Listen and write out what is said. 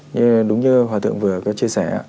như đúng như hòa thượng vừa có chia sẻ